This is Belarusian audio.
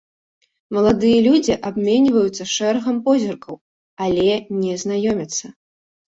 Маладыя людзі абменьваюцца шэрагам позіркаў, але не знаёмяцца.